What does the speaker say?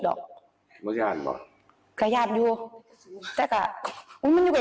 น้องลอยเบอร์ใจย่านเบลือเหนียว